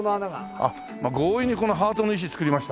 強引にこのハートの石作りましたね。